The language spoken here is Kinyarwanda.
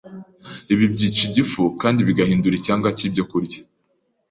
Ibi byica igifu kandi bigahindura icyanga cy’ibyokurya.